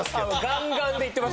ガンガンでいってました？